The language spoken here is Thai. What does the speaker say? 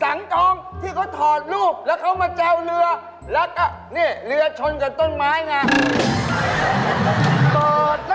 อันนี้พับปิ่นอันนี้เก็บว่าวได้